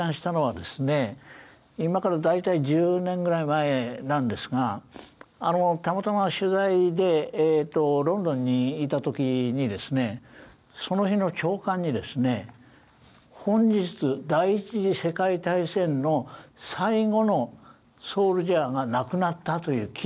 今から大体１０年ぐらい前なんですがたまたま取材でロンドンにいた時にですねその日の朝刊にですね「本日第１次世界大戦の最後のソルジャーが亡くなった」という記事が出たんです。